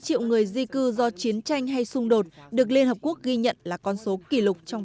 ba triệu người di cư do chiến tranh hay xung đột được liên hợp quốc ghi nhận là con số kỷ lục trong